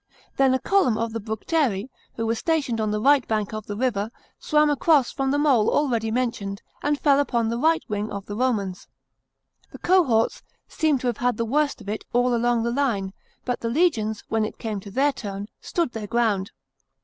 Then a column of the Bructeri, who were stationed on the right bank of the river, swam across from the mole already mentioned, and fell upon the right wing of the Romans. The cohorts seem to have had the worst of it all along the line, but the legions, when it came to their turn, stood their ground.